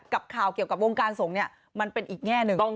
กับข่าวเกี่ยวกับวงการสงฆ์เนี่ยมันเป็นอีกแง่หนึ่ง